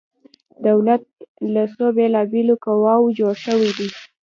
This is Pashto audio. دولت له څو بیلا بیلو قواو جوړ شوی دی؟